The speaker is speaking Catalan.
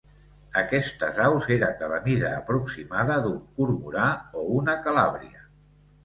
Aquestes aus eren de la mida aproximada d'un cormorà o una calàbria.